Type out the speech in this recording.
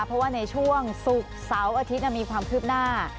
เพราะว่าในช่วงศุกร์เสาร์อาทิตย์มีความคืบหน้า